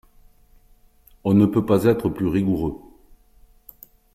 On ne peut pas être plus rigoureux